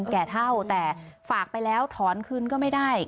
แก่เท่าแต่ฝากไปแล้วถอนคืนก็ไม่ได้